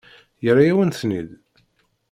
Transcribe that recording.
Yerra-yawen-ten-id?